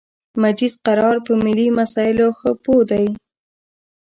مجید قرار په ملی مسایلو خه پوهه دی